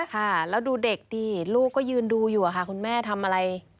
ค่ะแล้วดูเด็กดิลูกก็ยืนดูอยู่ค่ะคุณแม่ทำอะไร